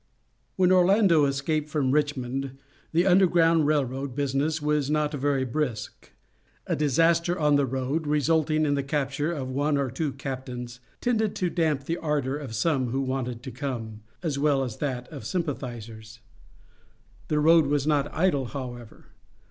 When Orlando escaped from Richmond the Underground Rail Road business was not very brisk. A disaster on the road, resulting in the capture of one or two captains, tended to damp the ardor of some who wanted to come, as well as that of sympathizers. The road was not idle, however.